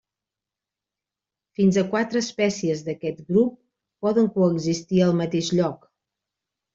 Fins a quatre espècies d'aquest grup poden coexistir al mateix lloc.